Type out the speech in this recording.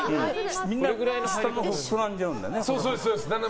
みんな下のほう膨らんじゃうんだよね。